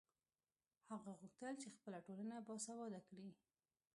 هغه غوښتل چې خپله ټولنه باسواده کړي.